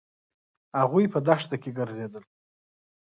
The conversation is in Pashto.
هغوی په دښته کې ګرځېدل.